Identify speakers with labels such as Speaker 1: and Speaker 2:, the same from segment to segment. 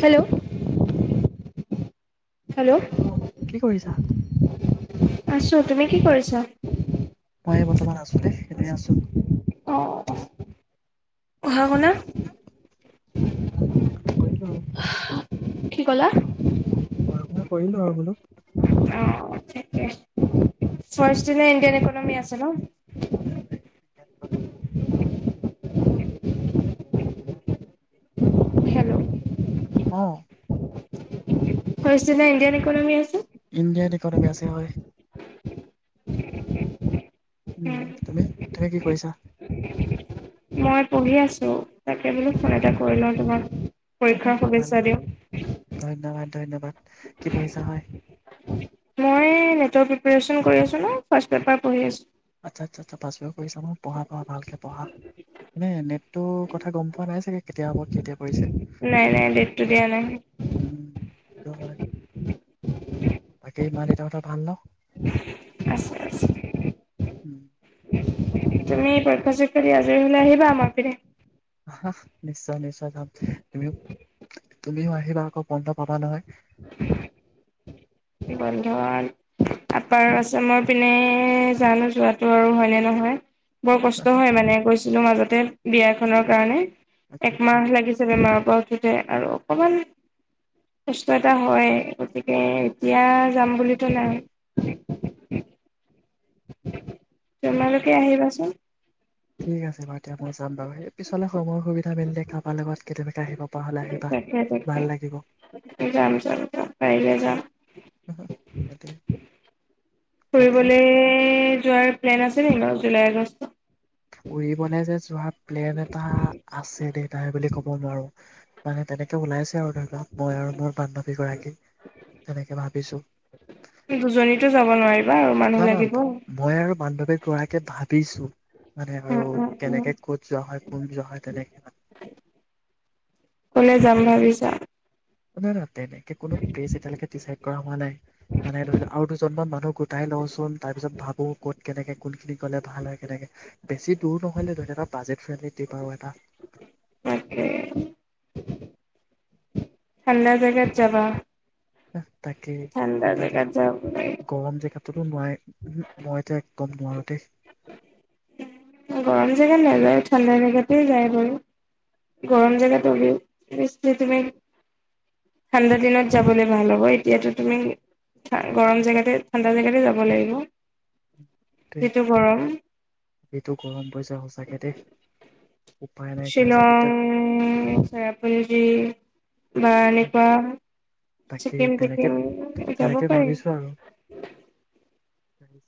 Speaker 1: Hello hello
Speaker 2: কি কৰিছা
Speaker 1: আছো তুমি কি কৰিছা
Speaker 2: ময়ে বৰ্তমান আছো দেই এনেই আছো।
Speaker 1: অঁ
Speaker 2: কৰিলো আউ।
Speaker 1: কি কলা?
Speaker 2: পঢ়া শুনা কৰিলো আৰু বোলো।
Speaker 1: অ তাকে চাইছিলেই কেনেকৈ নামি আছে ন
Speaker 2: [unintelligible]
Speaker 1: হেল্ল'
Speaker 2: অ?
Speaker 1: কৈছিলা ইণ্ডিয়ান ইকনমি আছিল
Speaker 2: ইণ্ডিয়াইন ইকনমি আছে হয়
Speaker 1: [unintelligible]
Speaker 2: উম তুমি তাকে কি পইচা
Speaker 1: মই পঢ়ি আছো তাকে বোলো ফোন এটা কৰি লওঁ তোমাক পৰীক্ষাৰ
Speaker 2: ভাল
Speaker 1: শুভেচ্ছা দিওঁ
Speaker 2: ধন্যবাদ ধন্যবাদ কি পঢ়িছা হয়
Speaker 1: মই গেটৰ প্ৰিপাৰেচন কৰি আছো নহয় ফাৰ্ষ্ট পেপাৰ পঢ়ি আছো
Speaker 2: আচ্ছা আচ্ছা আচ্ছা পাছ হব পঢ়িছা ন পঢ়া পঢ়া ভালকে পঢ়া এনে ডেটটোৰ কথা গম পোৱা নাই চাগে কেতিয়া হব কেতিয়া পৰিছে
Speaker 1: নাই নাই ডেটটো দিয়া নাই
Speaker 2: উ সেইটো হয় বাকী মা দেউতা হতৰ ভাল ন
Speaker 1: আছে আছে
Speaker 2: উম [inaudible]
Speaker 1: তুমি পৰীক্ষা চৰীক্ষা দি আজৰি হলে আহিবা আমাৰ পিনে
Speaker 2: নিশ্চয় নিশ্চয় যাম তুমিও তুমিও আহিবা আকৌ বন্ধ পাবা নহয়
Speaker 1: [inaudible] বন্ধন আপাৰ আছামৰ পিনে জানো যোৱাটো আৰু হয়নে নহয়। বৰ কষ্ট হয় মানে কৈছ চনৰ মাজতে বিয়া খনৰ কাৰণে
Speaker 2: আচ্ছা আচ্ছা
Speaker 1: একমাহ লাগিছে বেমাৰ উঠোঠে আৰু অকমান কষ্ট এটা হয় গতিকে এতিয়া যাম বুলিতো নাই [unintelligible] তোমালোকে আহিবাচোন।
Speaker 2: ঠিক আছে বাৰু এতিয়া মই যাম বাৰু স পিছলে সময়ৰ সুবিধা মেলিলে কাৰোবাৰ লগত কেতিাকে আহিব পৰা হলে আহিবা
Speaker 1: তাকে তাকে
Speaker 2: ভাল লাগিব
Speaker 1: যাম যাম যাম পাৰিলে যাম।
Speaker 2: বাকী
Speaker 1: ফুৰিবলৈ যোৱাৰ প্লেন আছে নে বাৰু? July August.
Speaker 2: ফুৰিবলৈ যে যোৱা প্লেন এটা আছে দেই নাই বুলি ক'ব নোৱাৰো মানে তেনেকে ওলাইছে আৰু ধৰি ল মই আৰু মোৰ বান্ধৱী গৰাকী তেনেকে ভাবিছো।
Speaker 1: দুজনীতো যাব নোৱাৰিবা আৰু মানুহ লাগিব।
Speaker 2: গৰাকে ভাবিছো মানে
Speaker 1: উম
Speaker 2: আৰু
Speaker 1: উম উম
Speaker 2: কেনেকে কত যোৱা হয় কোন যোৱা হয় তেনেকে মানে
Speaker 1: ক'লে যাম ভাবিছা?
Speaker 2: ওচৰতে যাম। তেনেকে কোনো প্ৰেচ এতিালৈকে ডিচাইদ কৰা হোৱা নাই মানে ধৰি ল আৰু কেইজনমান মানুহ গোটাই লওঁচোন তাৰ পিছত ভাবো ক'ত কেনেকে কোনখিনি গ'লে ভাল হয় কেনেকে বেছি দূৰ নহলে ধৰি ল এটা বাজেট ফ্ৰেণ্ডলি টিপ এটা।
Speaker 1: তাকে থাণ্ডা জেগাত যাবা
Speaker 2: অ [unintelligible] তাকে ঠাণ্ডা যে
Speaker 1: জেগাত যাব
Speaker 2: গৰম জেকেত কোনো নোৱাৰে মই যে একদম নোৱাৰো দেই
Speaker 1: গৰম জেগাত নাযায় ঠাণ্ডা জেগাতে যায় বাৰু গৰম জেগাত অবিও তুমি ঠাণ্ডা দিনত যাবলৈ ভাল হ'ব এতিয়াতো তুমি গৰম জেগাতে ঠাণ্ডা জেগাতে যাব লাগিব।
Speaker 2: দেই
Speaker 1: যিটো গৰম
Speaker 2: এইটো গৰম পৰিছে সঁচাকে দেই। উপায় নাইকিয়া হৈছে
Speaker 1: শিলং
Speaker 2: গোটেই
Speaker 1: চেৰাপঞ্জী। বা এনেকুৱা
Speaker 2: তাকে
Speaker 1: ছিকিম
Speaker 2: তেনেকে
Speaker 1: চিকিম যাব
Speaker 2: তেনেকে
Speaker 1: পাৰি
Speaker 2: ভাবিছো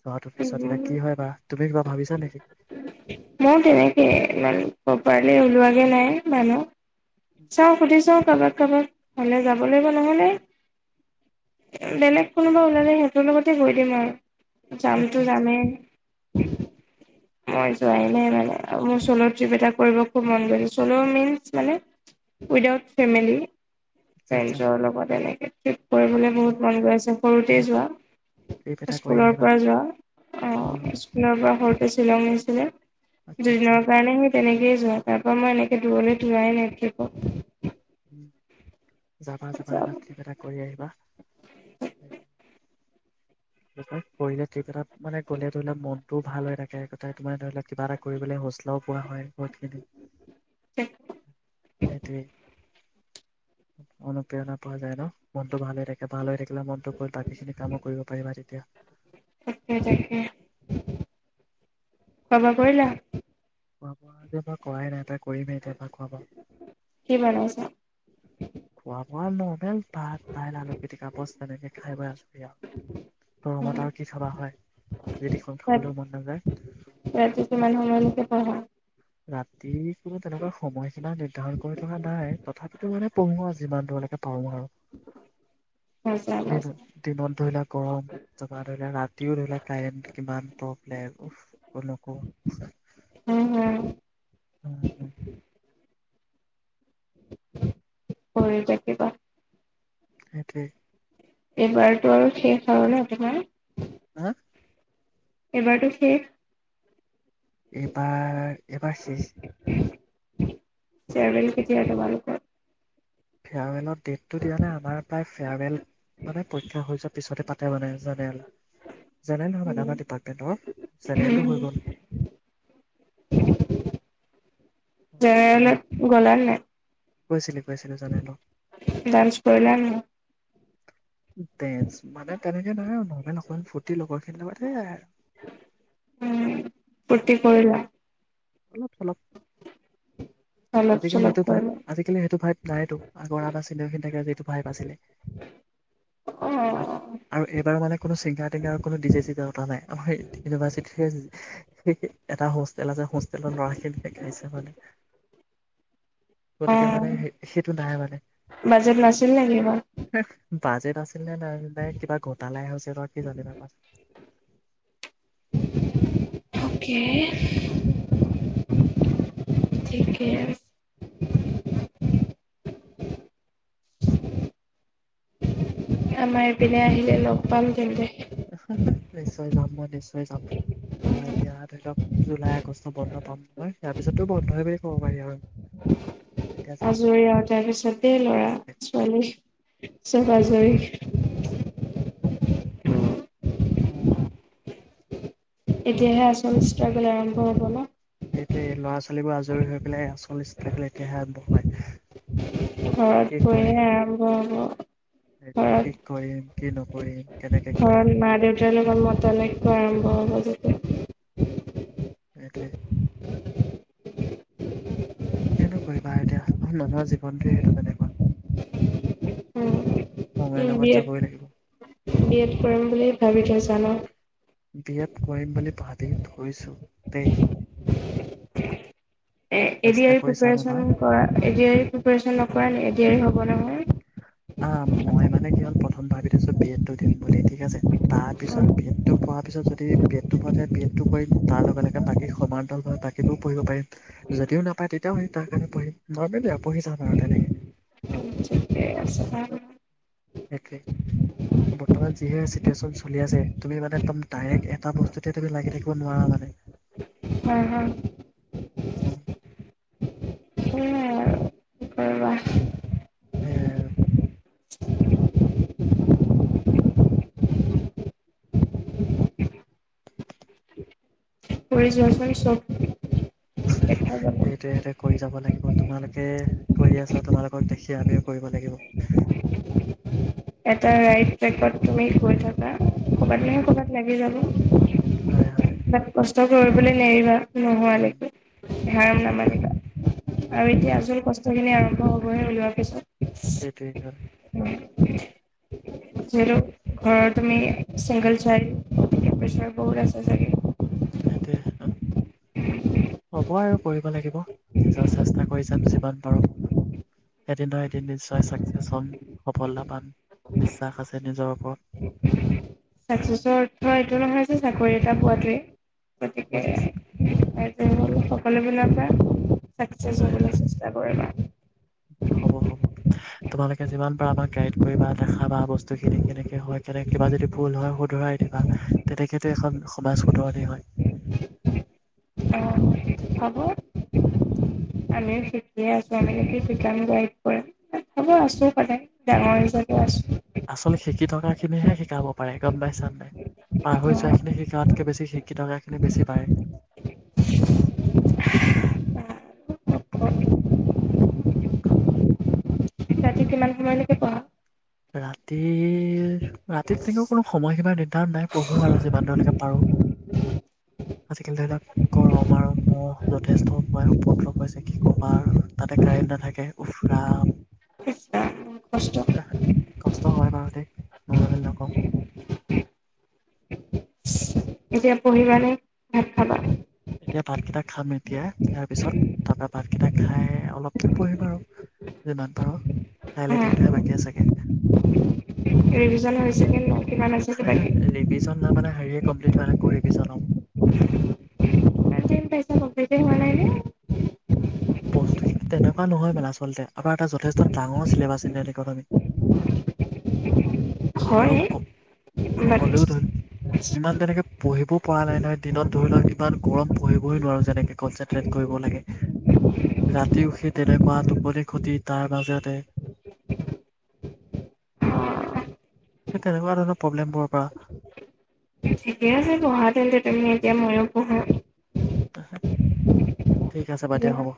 Speaker 2: জোৱাটোৰ পিছত এতিয়া কি হয় বা তুমি কিবা ভাবিছা নেকি
Speaker 1: মোৰ তেনেকে ই প্ৰপাৰলি ওলোৱাগে নাই মানুহ চাওঁ সুধি চা কাৰোবাক কাৰোবাক হলে যাব লাগিব নহলে বেলেগ কোনোবা ওলালে সিহঁতৰ লগতে গৈ দিম আৰু
Speaker 2: আচ্ছা
Speaker 1: চালটো
Speaker 2: আচ্ছা
Speaker 1: যামে।
Speaker 2: উম
Speaker 1: মই যোৱ নে মানে মোৰ চ'ল' ট্ৰিপ এটা কৰিব খুব মন গৈছে চ'ল ম মানে উদউট ফেমি
Speaker 2: আচ্ছা আচ্ছা
Speaker 1: ফেছল ব নাই কৰিবলৈ বহুত মন গৈ আছে সৰুতে
Speaker 2: এটা
Speaker 1: যোৱা
Speaker 2: ট্ৰিপ এটা কৰি
Speaker 1: স্কুলৰ
Speaker 2: আহিবা
Speaker 1: পৰা যোৱা অ', স্কুলৰ পৰাৰ শ্বিলংছিলে
Speaker 2: আচ্ছা
Speaker 1: দুদি
Speaker 2: আচ্ছা
Speaker 1: ন গণে তেনেকয়ে যোৱা তাৰ পৰা মই এনেকে দূৰলৈ যোৱাই নাই অ
Speaker 2: উম। যাবা যাবা এটা
Speaker 1: তাকে
Speaker 2: িব এটা কৰি আহিবা পঢ়লে টা মানে গ'লে ধৰি লক মন ত' ভাল হয় থাকে তোমাৰ ধৰি লওঁক কিবা এটা কৰিবলৈ হোষ্টলাও পোৱা হয় বহুত খিনি। সেইটমে অনু পিয় ন' পোৱা যায় ন'। মনতটো ভাল হৈ থাকে ভাল হৈ থাকিলে মনত বাকী চিনি কামো কৰিব। এতিয়া
Speaker 1: তাকে তাকে কাবা কৰিলা
Speaker 2: যে মই কাই নাই এ কৰিম এতিয়া ভা খোৱা বা
Speaker 1: কি বনাইছা
Speaker 2: খোৱা মাল ন েল ভাত দাইল আলু পিটিকাপচ তেনেকে খাই ব আছোৰি আৰু গৰমত আৰু কি খাবা হয় ৰিতিখন খাবলৈও
Speaker 1: ৰাতি
Speaker 2: মন নাযায়
Speaker 1: কিমান সময়লৈকে পঢ়া
Speaker 2: ৰাতি কোনো তেনেকুৱা সময়চীনা নিৰ্ধাৰণ কৰি থকা নাই তথাপিতো মানে পঢ়ো যিমান দূৰলৈকে পাৰো আৰু
Speaker 1: মজা মজা
Speaker 2: বিম বিমন ধই লাখ গৰম তপা ধৰি লোৱা ৰাতিও ধৰি লোৱা কাৰেণ্ট কিমান প্ৰব্লেম উফ, কলকো
Speaker 1: উম হম
Speaker 2: [inaudible]
Speaker 1: পঢ়ি থাকিবা
Speaker 2: সেইটোৱেই।
Speaker 1: এইবাৰতো আৰু শেষ আৰু ন তোমাৰ
Speaker 2: হা
Speaker 1: এইবাৰটো শেষ।
Speaker 2: এইবাৰ এইবাৰ শেষ
Speaker 1: চেল কেতিয়াটো বালকৰ
Speaker 2: ফেয়াৰমেলত ডেটটো দিয়া নাই আমাৰ প্ৰায় ফেয়াৰেল মানে পৰীক্ষা হৈ যোৱা পিছতে পাতে মানে ল হয় মানে আমাৰ ডিপাৰ্টমেণ্টৰ জেনেৰেলটো হৈ গ'ল। আমাৰ
Speaker 1: জেনেৰেলত গলানে
Speaker 2: গৈছিলো গৈছিলো জেনেৰেলত
Speaker 1: নাই। ডান্স কৰিলা নে নাই
Speaker 2: ডেন্চ মানে তেনেকে নহয় নহলে অকমান ফূৰ্তি লগৰ খিনি লগ যায় আৰু
Speaker 1: উম ফূৰ্তি কৰিলা
Speaker 2: অলপ চলপ
Speaker 1: অলপ
Speaker 2: আজিকালি
Speaker 1: চলপ
Speaker 2: সেইটো ভাই
Speaker 1: কৰিলা
Speaker 2: আজিকালি সেইটো ভাইভ নাইতো আগৰ বা চখিনেঙ যিটো ভাইভ আছিলে
Speaker 1: অ
Speaker 2: আৰু এইবাৰো মানে কোনো চিংগাৰ টিংগাৰ কোনো ডি জ চিত নাই আমাৰ ইউনিভাৰ্চিটি এটা হ হোলা যে হোষ্টেলত ল'ৰা খেলহে খাইছে পালে।
Speaker 1: অ
Speaker 2: সেইটো নাই মানে
Speaker 1: বাজেত নাছিল নে কিবাৰ
Speaker 2: বাজেট আছিল নে নাই কিবা গোটালাইছিল ব কি জানিবা প
Speaker 1: কি আমাৰ এইপিনে আহিলে লগ পাম তেন্তে
Speaker 2: নিশ্চয় যাম মই নিশ্চয় যাম অহ, এতিয়া ধৰি লওঁক জুলাই আগষ্ট বন্ধ পাম নহয় তয়াৰ পিছতো বন্ধ হয় বুলি ক'ব পাৰি আৰু। তেতিয়া যাম
Speaker 1: আজৰি আৰু তাৰ পিছতে ল'ৰা-ছোৱালী আজৰি
Speaker 2: অ
Speaker 1: এতিয়াাহেআচল ষ্ট্ৰাগল আৰম্ভ হব ন
Speaker 2: সেইটোৱে ল'ৰা'ছোৱালীবোৰ আজৰি হৈ পেলাই আচল ষ্ট্ৰাগল এতিয়াহে আৰম্ভ হয়।
Speaker 1: হয়
Speaker 2: কি কৰিম
Speaker 1: [unintelligible]
Speaker 2: সেইটোৱে কি কৰিম কি
Speaker 1: ঘৰত
Speaker 2: নকৰিম কেনেকে কৰিম
Speaker 1: ঘৰত মা-দেউতাৰ লগত মতানৈক্য আৰম্ভ হ'ব যে।
Speaker 2: সেইটোৱে কিনো কৰিবা আৰু এতিয়া মানুহৰ জীৱনটোৱে সেইটো তেনেকুৱা সময়ৰ
Speaker 1: উম, বি
Speaker 2: লগত
Speaker 1: এড,
Speaker 2: যাবই লাগিব
Speaker 1: বি এড কৰিম বুলি ভাবি থৈছা ন'?
Speaker 2: বিয়াত কৰিম বুলি ভাৱি থৈছো দেই।
Speaker 1: এডি আৰ
Speaker 2: চেষ্টা
Speaker 1: ই
Speaker 2: কৰি চাম
Speaker 1: প্ৰিপেয়াৰেচনচন
Speaker 2: এবাৰ
Speaker 1: কৰা এ প্ৰিপেয়াৰেচনচন নকৰা নাই এদ হ'ব নহয়। হ
Speaker 2: আহ, মই মানে কি হ'ল প্ৰথম ভাবি থৈছো বি এডটো দিম বুলি ঠিক আছে। তাৰ পিছত বি এড টো পোৱাত তাৰ পিছত যদি বি এড টো পাতে বি এড টো কৰিম তাৰ লগে লগে বাকী সমান্তৰাল হৈ বাকীবোৰও পঢ়িব পাৰিম যদিও নাপায় তেতিয়াও আি তাৰ কাৰণে পঢ়িম নৰ্মেলি আৰু পঢ়ি যাম আৰু তেনেকে
Speaker 1: ঠিকে আছে হয়
Speaker 2: একেই বৰ্তমান যিহে চিটুৱেশ্যন চলি আছে তুমি মানে একদম ডাইৰেক্ট এটা বস্তুতে তুমি লাগি থাকিব নোৱাৰা মানে।
Speaker 1: হম হা
Speaker 2: উম।
Speaker 1: সেয়াই আৰু কি কৰিবা
Speaker 2: এ
Speaker 1: কৰি যোৱাজন চব দেখা যাব
Speaker 2: সেইটো সতে কৰি যাব লাগিব। তোমালোকে কৰি আছা, তোমালোকক দেখি আমিও কৰিব লাগিব।
Speaker 1: এটা ৰাইট ট্ৰেকত তুমি গৈ থাকা। কৰ'বাত
Speaker 2: উম
Speaker 1: নহয় কৰ'বাত লাগি যাব।
Speaker 2: হয় হয়।
Speaker 1: ষ্ট কৰিবলৈ নেৰিবা।
Speaker 2: উম
Speaker 1: নোহোৱালৈকে, ধাৰম
Speaker 2: সেইটোৱে
Speaker 1: নামানিবা আৰু এতিয়া
Speaker 2: সেইটোৱে
Speaker 1: আচল কষ্টখিনি আৰম্ভ হ গয়ে ওলোৱাৰ পিছত
Speaker 2: সেইটোৱে হয়।
Speaker 1: জিৰো। ঘৰৰ তুমি চিংঘল চাইল্ড, প্ৰেচাৰ বহুত আছে চাগে।
Speaker 2: সেইটোৱে, অহ। হ'ব আৰু কৰিব লাগিব। নিজৰ চেষ্টা কৰি যাম যিমান পাৰোঁ, এদিন নহয় নিশ্চয় চাকচেছ হ'ম, সফলতা পাম। বিশ্বাস আছে নিজৰ ওপৰত।
Speaker 1: চাকচেছৰ অৰ্থ এইটো নহয় যে চাকৰি এটা পোৱাতোৱে।
Speaker 2: বুজিছো
Speaker 1: গতিকে [unintelligible] সকলোবিলাক চাকচেছ
Speaker 2: হয়
Speaker 1: হ'বলৈ
Speaker 2: হয়
Speaker 1: চেষ্টা কৰিবা।
Speaker 2: হ'ব হ'ব, তোমালোকে যিমান পাৰা আমাক গাইড কৰিবা, দেখাবা বস্তুখিনি। কেনেকে হয় কেনে কিবা যদি ভুল হয় শুধৰাই দিবা তেনেকেতো এখন সমাজ শুধৰণনি হয়।
Speaker 1: অ', খাব আমিও শিকে আছো আমি সাম গড কৰোব আছো সদায় ডাঙৰ হ'লে আছো।
Speaker 2: কামাই চামাই পাৰ হৈ যোৱাখিনি শিকাতকে বেছি শিকি থকা এইখিনি বেছি পায়।
Speaker 1: চাটোমান স মানেকে পোৱা
Speaker 2: ৰাতি ৰাতি তেনেকা কোনো সময়সীমা নিৰ্ধাৰণ নাই পঢ়ো আৰু যিমান ধৰিলৈকে পাৰো আজিকালি ধৰি লওঁকমম যথেষ্ট উপায় পত্ৰ কৈছে কি ক'বা তাতে কাৰেণ্ট নাথাকে উফৰাম।
Speaker 1: ইচ কষ্ট
Speaker 2: কষ্ট হয় মাৰুতে নগাবেল নক
Speaker 1: এতিয়া পঢ়িব নে ভাত খাবা?
Speaker 2: এতিয়া ভাতকেইটা খাম এতিয়া ইয়াৰ পিছত তাৰ পৰাৰা ভাতকেইটা খাই অলপকে পুহিম আৰু যিমান পাৰো খাইলৈ
Speaker 1: হা
Speaker 2: দিনটোহে বাকী চাগে।
Speaker 1: ৰিভিজন হৈছে কিন্তু
Speaker 2: ৰিবিচন ন মানে হেৰি কমপ্লিট হয় নে কৰিবি জ মোক
Speaker 1: কম্পলিটে হোৱা নাইনে?
Speaker 2: প্ৰস্তুতি তেনেকুৱা নহয় মানে আচলতে আমাৰ এটা যথেষ্ট ডাঙৰ চিলেবাছ ইণ্ডিয়ান ইকনমি আৰু
Speaker 1: হয়
Speaker 2: ক
Speaker 1: বাট
Speaker 2: হ'লেও ধৰি ইমান তেনেকে পঢ়িবও পৰা নাই নহয় দিনত ধৰি লওঁক ইমান গৰম পঢ়িবই নোৱাৰো যেনেকে কনচেনট্ৰেট কৰিব লাগে ৰাতি উম, সেই তেনেকুৱা টোপনি ক্ষতি তাৰ মাজতে তেনেকুৱা ধৰণৰ প্ৰব্লেমবোৰৰ পৰা
Speaker 1: ঠিকে আছে পঢ়া তেন্তে তুমি এতিয়া ময়ো পঢ়ো।
Speaker 2: ঠিক আছে বাৰু দিয়
Speaker 1: এতিয়া
Speaker 2: হ'ব